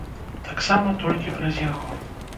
Таксама толькі праз яго.